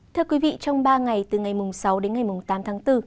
thưa quý vị trong ba ngày từ ngày sáu đến ngày tám tháng bốn